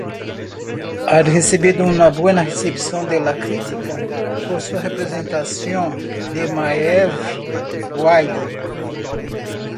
Ha recibido una buena recepción de la crítica por su representación de Maeve Wiley.